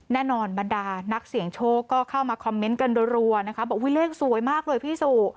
บรรดานักเสี่ยงโชคก็เข้ามาคอมเมนต์กันรัวนะคะบอกอุ้ยเลขสวยมากเลยพี่สุ